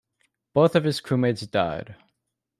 Both of his crewmates died.